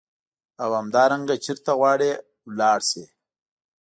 او همدارنګه چیرته غواړې ولاړ شې.